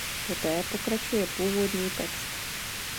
Poté pokračuje původní text.